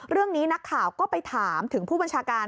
เรื่องนี้นักข่าวก็ไปถามถึงผู้บัญชาการ